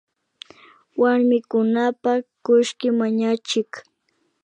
Warmikunapak kullki mañachik